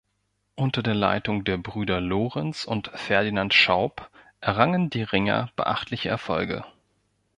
Unter der Leitung der Brüder Lorenz und Ferdinand Schaub errangen die Ringer beachtliche Erfolge.